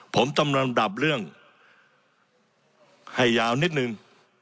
ผมตำลำดับเรื่องให้ยาวนิดนึง